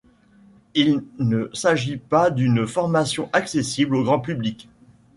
Il ne s'agit pas d'une formation accessible au grand public.